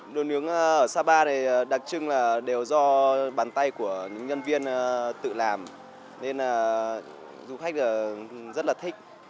đồ nướng ở sapa này đặc trưng là đều do bàn tay của nhân viên tự làm nên là du khách rất là thích